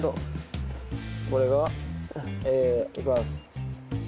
これがえいきます。